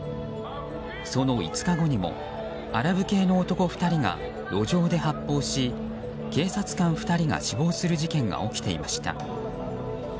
その５日後にもアラブ系の男２人が路上で発砲し、警察官２人が死亡する事件が起きていました。